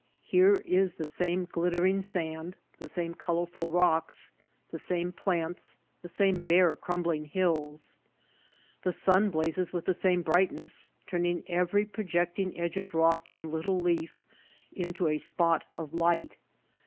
Here is the same glittering sand, the same colorful rocks, the same plants, [IS8] The Mountain Spring the same bare, crumbling hills. The sun blazes with the same brightness, turning every projecting edge of rock and little leaf into a spot of light.